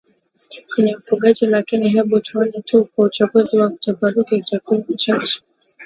kwenye ufugaji Lakini hebu tuone tu kwa uchokozi wa tafakuri takwimu chache